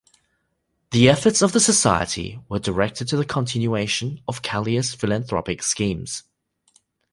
The efforts of the society were directed to the continuation of Callier's philanthropic schemes.